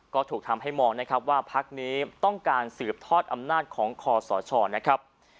ก็ถูกทำให้มองนะครับว่าพักนี้ต้องการสืบทอดอำนาจของคอสชนะครับ